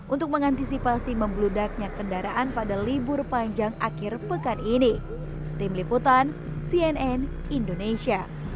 untuk mengantisipasi membludaknya kendaraan pada libur panjang akhir pekan ini